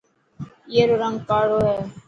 اي رو رنگ ڪارو هي.